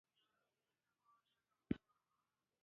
د ژبې اکتسابيتوب په دې کې دی چې له ټولنې څخه زده کېږي.